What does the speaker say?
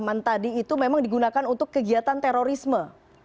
menggunakan yang terakhir yg didek sentir kegiatan terorisme